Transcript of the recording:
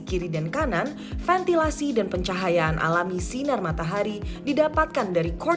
kiri dan kanan ventilasi dan pencahayaan alami sinar matahari didapatkan dari court